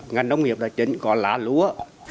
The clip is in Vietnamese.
ngành nông nghiệp là chính có lá lúa